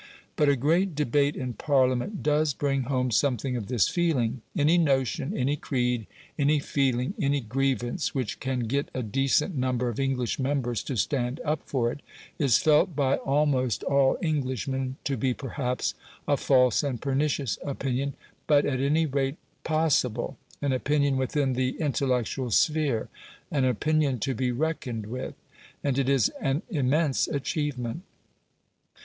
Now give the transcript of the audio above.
But a great debate in Parliament does bring home something of this feeling. Any notion, any creed, any feeling, any grievance which can get a decent number of English members to stand up for it, is felt by almost all Englishmen to be perhaps a false and pernicious opinion, but at any rate possible an opinion within the intellectual sphere, an opinion to be reckoned with. And it is an immense achievement.